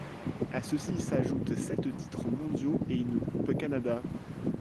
À ceci s'ajoute sept titres mondiaux et une Coupe Canada.